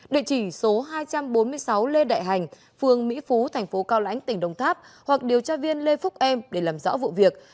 địa chỉ số hai trăm bốn mươi sáu lê đại hành phường mỹ phú thành phố cao lãnh tỉnh đồng tháp hoặc điều tra viên lê phúc em để làm rõ vụ việc